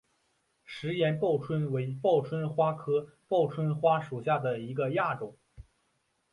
石岩报春为报春花科报春花属下的一个亚种。